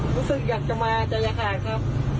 รู้สึกอยากจะมาใจหายครับ